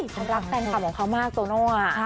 เขารักแฟนคลับของเขามากโตโน่